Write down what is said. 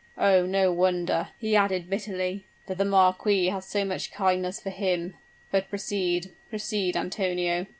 "Oh! no wonder," he added, bitterly, "that the marquis has so much kindness for him! But, proceed proceed, Antonio."